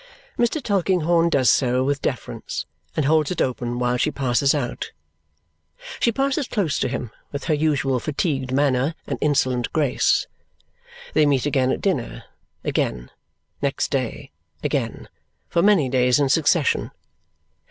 Mr. Tulkinghorn does so with deference and holds it open while she passes out. She passes close to him, with her usual fatigued manner and insolent grace. They meet again at dinner again, next day again, for many days in succession.